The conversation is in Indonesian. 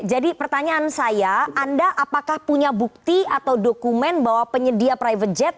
pertanyaan saya anda apakah punya bukti atau dokumen bahwa penyedia private jet